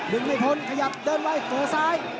ดึงไม่ทนขยับเดินไว้เผื่อซ้าย